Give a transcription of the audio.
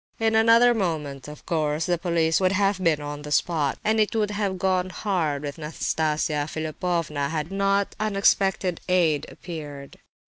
In another moment, of course, the police would have been on the spot, and it would have gone hard with Nastasia Philipovna had not unexpected aid appeared.